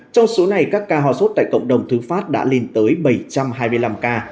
trong số này các ca ho sốt tại cộng đồng thứ phát đã lên tới bảy trăm hai mươi năm ca